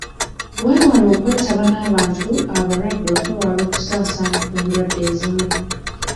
Weewale okwetaba n'abantu abalwadde okwewala okusaasaana kw'endwadde ezimu.